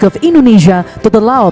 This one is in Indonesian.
pemerintah pemerintah lau